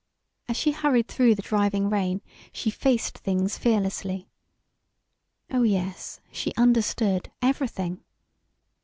As she hurried through the driving rain she faced things fearlessly. Oh yes, she understood everything.